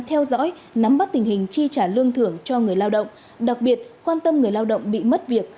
theo dõi nắm bắt tình hình chi trả lương thưởng cho người lao động đặc biệt quan tâm người lao động bị mất việc